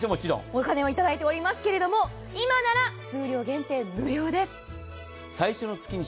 お金はいただいておりますけれども、今なら数量限定、無料です。